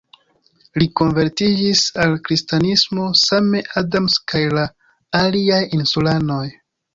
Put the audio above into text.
Li konvertiĝis al kristanismo, same Adams kaj la aliaj insulanoj.